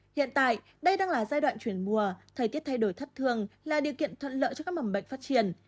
hiện tại đây đang là giai đoạn chuyển mùa thời tiết thay đổi thất thường là điều kiện thuận lợi cho các mầm bệnh phát triển